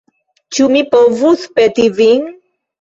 Ĉu mi povus peti vin?